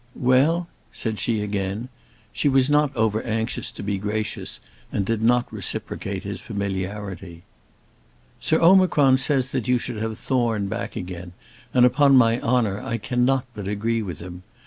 "Well?" said she again. She was not over anxious to be gracious, and did not reciprocate his familiarity. "Sir Omicron says that you should have Thorne back again, and upon my honour, I cannot but agree with him.